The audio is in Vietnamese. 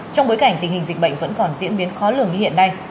trong bối cảnh tình hình dịch bệnh vẫn còn diễn biến khó lường như hiện nay